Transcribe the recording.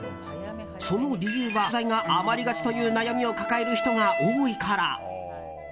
その理由はおせちの食材が余りがちという悩みを抱える人が多いから。